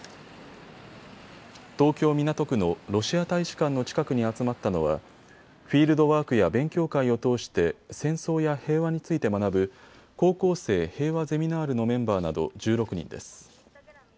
東京港区のロシア大使館の近くに集まったのはフィールドワークや勉強会を通して戦争や平和について学ぶ高校生平和ゼミナールのメンバーなど１６人です。